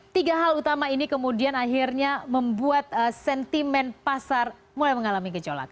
tiga hal utama ini kemudian akhirnya membuat sentimen pasar mulai mengalami gejolak